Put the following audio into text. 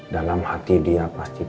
dalam hati dia pasti